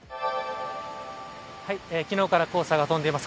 昨日から黄砂が飛んでいます。